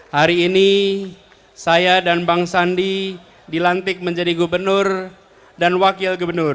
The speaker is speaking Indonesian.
hari ini saya dan bang sandi dilantik menjadi gubernur dan wakil gubernur